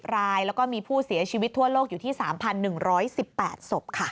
รายแล้วก็มีผู้เสียชีวิตทั่วโลกอยู่ที่๓๑๑๘ศพค่ะ